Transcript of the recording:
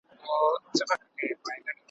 هر سړی به مستقیم پر لاري تللای `